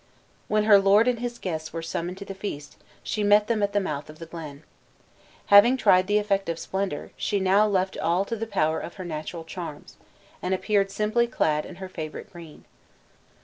When her lord and his guests were summoned to the feast, she met them at the mouth of the glen. Having tried the effect of splendor, she now left all to the power of her natural charms, and appeared simply clad in her favorite green.